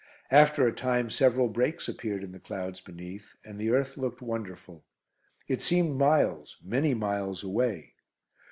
After a time several breaks appeared in the clouds beneath, and the earth looked wonderful. It seemed miles many miles away.